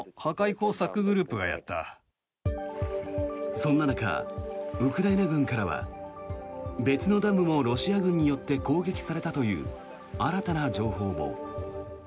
そんな中、ウクライナ軍からは別のダムも、ロシア軍によって攻撃されたという新たな情報も。